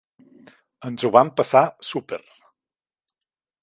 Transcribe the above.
Ens ho vam passar súper.